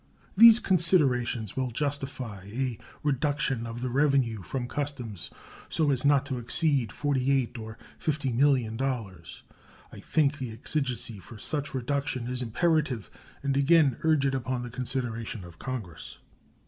These considerations will justify a reduction of the revenue from customs so as not to exceed forty eight or fifty million dollars. I think the exigency for such reduction is imperative, and again urge it upon the consideration of Congress.